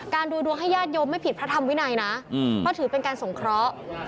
ดูดวงให้ญาติโยมไม่ผิดพระธรรมวินัยนะเพราะถือเป็นการสงเคราะห์